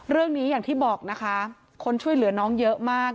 เรื่องนี้อย่างที่บอกนะคะคนช่วยเหลือน้องเยอะมาก